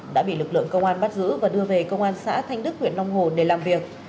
đã bị lực lượng công an bắt giữ và đưa về công an xã thanh đức huyện long hồ để làm việc